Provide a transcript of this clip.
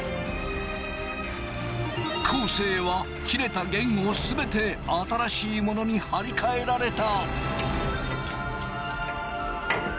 昴生は切れた弦を全て新しいものに張り替えられた。